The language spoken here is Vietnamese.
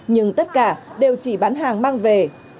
nhưng tất cả đều chỉ bán hàng mang về